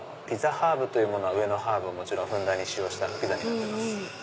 ハーブというものは上のハーブをもちろんふんだんに使用したピザになってます。